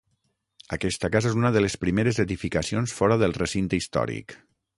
Aquesta casa és una de les primeres edificacions fora del recinte històric.